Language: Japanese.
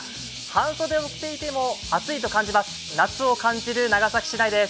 半袖を着ていても暑いと感じます。